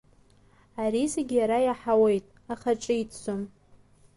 Ари зегь иара иаҳауеит, аха ҿиҭӡом.